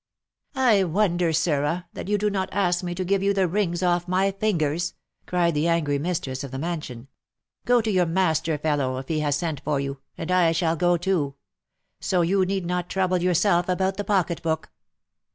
" I wonder, sirrah, that you do not ask me to give you the rings off my fingers !" cried the angry mistress. of the mansion. " Go to your master, fellow, if he has sent for you, and I shall go too. So you need not trouble yourself about the pocket book."